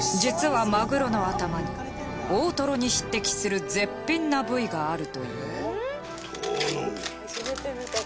実はマグロの頭に大トロに匹敵する絶品な部位があるという。